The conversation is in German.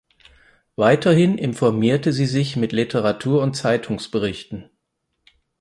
Weiterhin informierte sie sich mit Literatur und Zeitungsberichten.